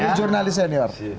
sebagai jurnalis ya nior